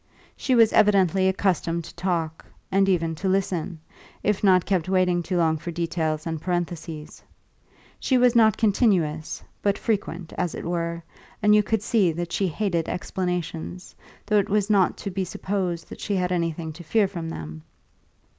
She was evidently accustomed to talk, and even to listen, if not kept waiting too long for details and parentheses; she was not continuous, but frequent, as it were, and you could see that she hated explanations, though it was not to be supposed that she had anything to fear from them.